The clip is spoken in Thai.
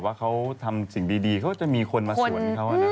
ว่าเขาทำสิ่งดีเขาก็จะมีคนมาสวนเขา